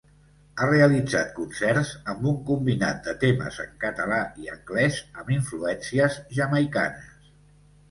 Ha realitzat concerts amb un combinat de temes en català i anglès amb influències jamaicanes.